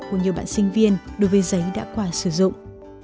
của nhiều bạn sinh viên đối với giấy đã qua sử dụng